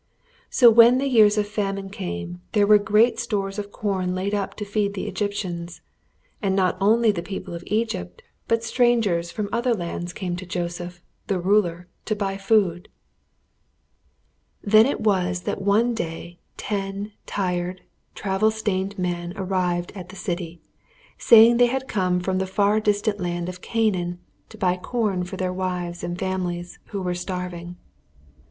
So when the years of famine came there were great stores of corn laid up to feed the Egyptians, and not only the people of Egypt, but strangers from other lands came to Joseph, the Ruler, to buy food. [Illustration: He felt at once that Joseph was a man to be trusted.] Then it was that one day ten tired, travel stained men arrived at the city, saying they had come from the far distant land of Canaan to buy corn for their wives and families, who were starving.